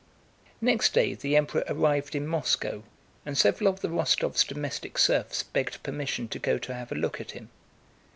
Next day the Emperor arrived in Moscow, and several of the Rostóvs' domestic serfs begged permission to go to have a look at him.